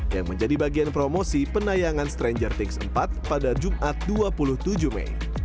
yang menjadi bagian promosi penayangan stranger tix empat pada jumat dua puluh tujuh mei